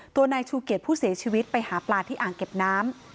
ตัวนายชูเกียจผู้เสียชีวิตไปหาปลาที่อ่างเก็บน้ำ